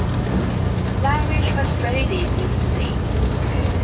Larish was credited with the save.